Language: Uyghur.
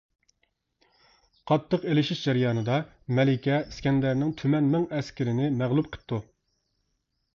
قاتتىق ئېلىشىش جەريانىدا مەلىكە ئىسكەندەرنىڭ تۈمەنمىڭ ئەسكىرىنى مەغلۇپ قىپتۇ.